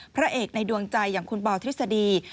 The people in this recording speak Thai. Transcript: พระเอกในดวงใจอย่างคุณปอทฤษฎี